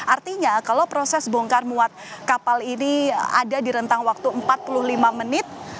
artinya kalau proses bongkar muat kapal ini ada di rentang waktu empat puluh lima menit